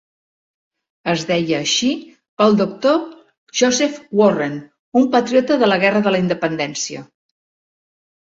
Es deia així pel Doctor Joseph Warren, un patriota de la Guerra de la Independència.